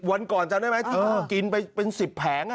วันก่อนจำได้ไหมที่กินไปเป็น๑๐แผง